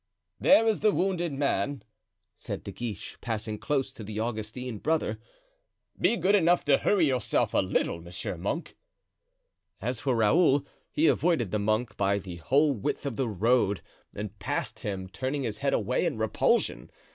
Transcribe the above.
"There is the wounded man," said De Guiche, passing close to the Augustine brother. "Be good enough to hurry yourself a little, monsieur monk." As for Raoul, he avoided the monk by the whole width of the road and passed him, turning his head away in repulsion.